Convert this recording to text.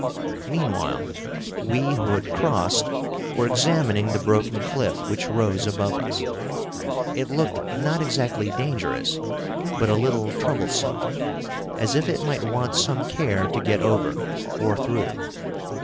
Meanwhile, we who had crossed were examining the broken cliff which rose above us. It looked not exactly dangerous, but a little troublesome, as if it might want some care to get over or through.